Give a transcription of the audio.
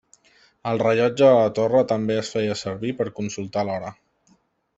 El rellotge de la torre també es feia servir per consultar l'hora.